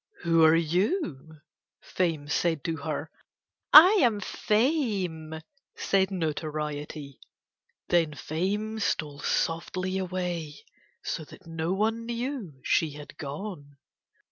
"Who are you?" Fame said to her. "I am Fame," said Notoriety. Then Fame stole softly away so that no one knew she had gone.